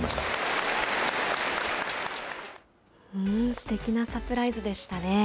すてきなサプライズでしたね。